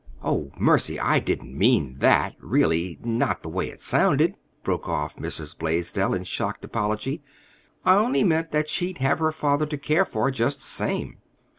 Oh, mercy! I didn't mean that, really,—not the way it sounded," broke off Mrs. Blaisdell, in shocked apology. "I only meant that she'd have her father to care for, just the same."